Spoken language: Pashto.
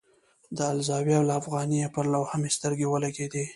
د الزاویة الافغانیه پر لوحه مې سترګې ولګېدې.